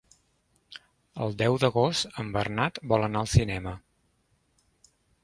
El deu d'agost en Bernat vol anar al cinema.